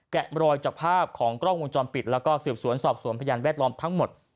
รอยจากภาพของกล้องวงจรปิดแล้วก็สืบสวนสอบสวนพยานแวดล้อมทั้งหมด